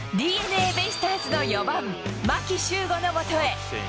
ＤｅＮＡベイスターズの４番牧秀悟のもとへ。